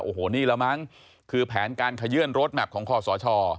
โอ้โหนี่ละมั้งคือแผนการขยื่นรถแมพของคอสช